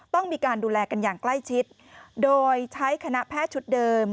ต้องมีการดูแลกันอย่างใกล้ชิดโดยใช้คณะแพทย์ชุดเดิม